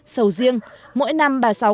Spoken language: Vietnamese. sầu riêng mỗi năm bà sáu